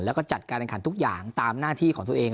แล้วก็จัดการแข่งขันทุกอย่างตามหน้าที่ของตัวเอง